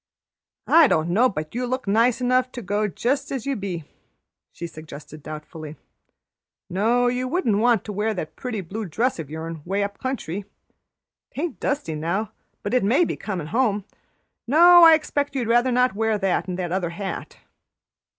"I don't know but you look nice enough to go just as you be," she suggested doubtfully. "No, you wouldn't want to wear that pretty blue dress o' yourn 'way up country. 'Taint dusty now, but it may be comin' home. No, I expect you'd rather not wear that and the other hat."